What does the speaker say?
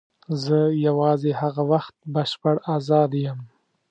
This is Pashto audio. زه یوازې هغه وخت بشپړ آزاد یم.